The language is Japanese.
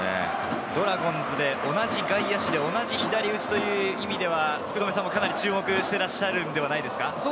ドラゴンズで同じ外野手、左打ちでは福留さんもかなり注目していらしゃるのではないですか？